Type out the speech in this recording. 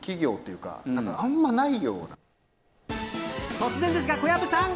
突然ですが、小籔さん。